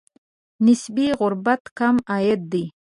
نسبي غربت کم عاید دی.